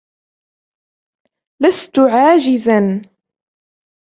لستُ عاجزا.